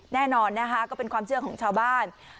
แน่นอนนะคะก็เป็นความเชื่อของชาวบ้าน